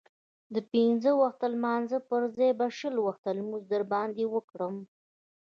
د پنځه وخته لمانځه پرځای به شل وخته لمونځ در باندې وکړم.